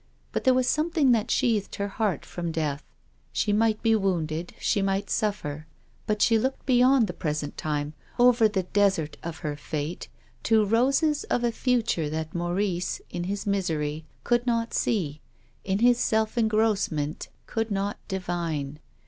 But there was something that sheathed her heart from death. She might be wounded, she might suffer ; but .she looked be yond the present time, over the desert of her fate to roses of a future that Maurice, in his mis ery, could not see, in his self engrossment could not divine.